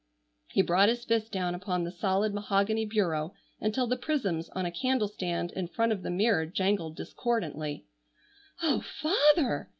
He brought his fist down upon the solid mahogany bureau until the prisms on a candle stand in front of the mirror jangled discordantly. "Oh, father!"